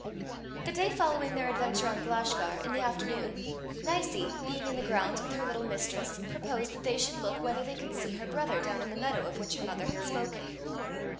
The day following their adventure on Glashgar, in the afternoon, Nicie being in the grounds with her little mistress, proposed that they should look whether they could see her brother down in the meadow of which her mother had spoken.